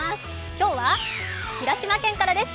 今日は広島県からです。